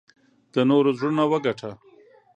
د نورو زړونه وګټه .